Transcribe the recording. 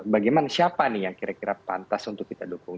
bagaimana siapa nih yang kira kira pantas untuk kita dukung